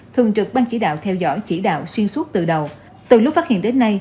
thường trực ban chỉ đạo theo dõi chỉ đạo xuyên suốt từ đầu từ lúc phát hiện đến nay